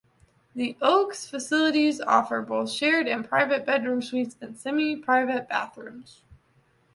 The Oaks facilities offer both shared and private bedroom suites and semi-private bathrooms.